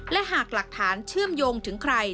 และหากหลักฐานเชื่อมโยงถึงใคร